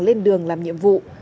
lên đường làm nhiệm vụ